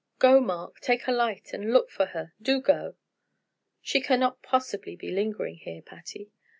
Go, Mark take a light and look for her. Do go!" "She cannot possibly be lingering here, Patty."